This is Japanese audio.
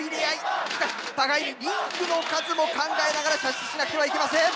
しかし互いにリングの数も考えながら射出しなければいけません。